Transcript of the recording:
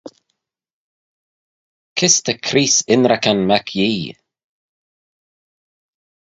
Kys ta Creest ynrican mac Yee?